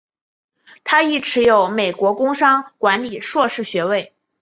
他亦持有美国工商管理硕士学位。